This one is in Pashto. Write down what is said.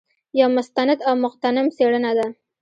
یو مستند او مغتنم څېړنه ده.